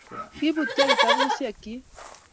Kibutyo kitabushek chi